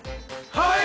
はい！